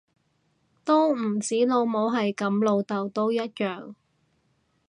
都唔止老母係噉，老竇都一樣